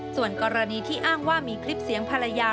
ส่วนกรณีที่อ้างว่ามีคลิปเสียงภรรยา